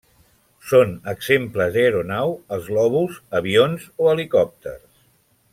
Són exemples d'aeronau els globus, avions o helicòpters.